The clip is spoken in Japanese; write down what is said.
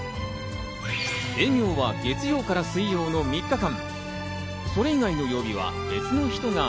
営業は月曜から水曜の３日間。